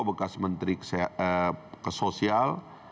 bekas menteri kesosial